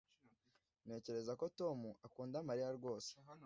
Ntekereza ko Tom akunda Mariya rwose